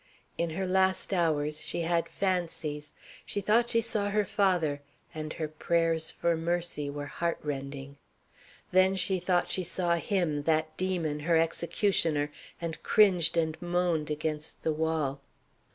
In her last hour she had fancies. She thought she saw her father, and her prayers for mercy were heart rending. Then she thought she saw him, that demon, her executioner, and cringed and moaned against the wall.